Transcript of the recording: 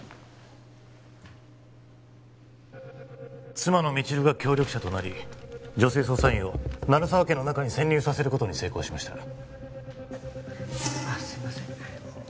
妻の未知留が協力者となり女性捜査員を鳴沢家の中に潜入させることに成功しましたああすいません